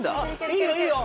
いいよいいよ。